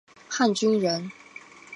汉军人。